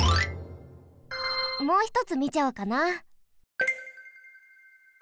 もうひとつみちゃおうかな。